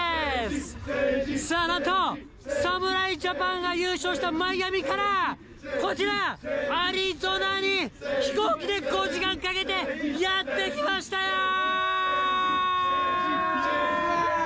さあ、なんと、侍ジャパンが優勝したマイアミから、こちら、アリゾナに飛行機で５時間かけてやって来ましたよー！